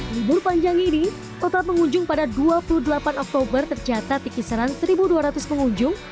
libur panjang ini total pengunjung pada dua puluh delapan oktober tercatat di kisaran satu dua ratus pengunjung